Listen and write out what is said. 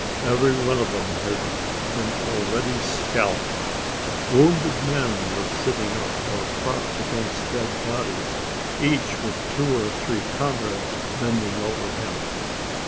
Every one of them had been already scalped. Wounded men were sitting up, or propped against dead bodies each with two or three comrades bending over him.